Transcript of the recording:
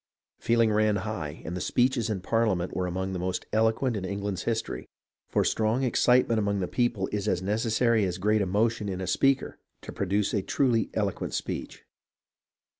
Feeling ran high, and the speeches in Parliament were among the most eloquent in England's history ; for strong excitement among the peo ple is as necessary as great emotion in a speaker to pro duce a truly eloquent speech.